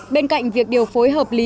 bên cạnh việc điều phối hợp lý